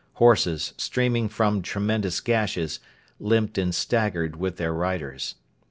Horses, streaming from tremendous gashes, limped and staggered with their riders.